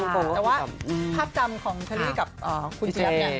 แต่ว่าภาพจำของเชอรี่กับคุณเจี๊ยบเนี่ย